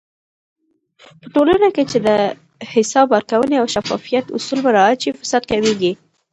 په ټولنه کې چې د حساب ورکونې او شفافيت اصول مراعات شي، فساد کمېږي.